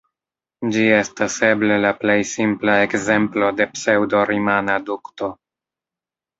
Ĝi estas eble la plej simpla ekzemplo de pseŭdo-rimana dukto.